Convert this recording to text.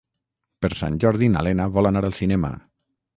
Per Sant Jordi na Lena vol anar al cinema.